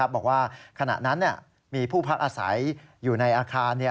บอกว่าขณะนั้นมีผู้พักอาศัยอยู่ในอาคาร